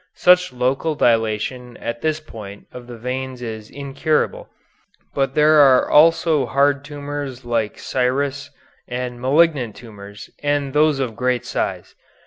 Such local dilatation at this point of the veins is incurable, but there are also hard tumors like scirrhus and malignant tumors, and those of great size.